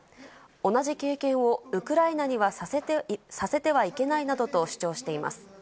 同じ経験をウクライナにはさせてはいけないなどと主張しています。